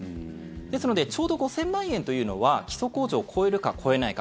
ですのでちょうど５０００万円というのは基礎控除を超えるか、超えないか。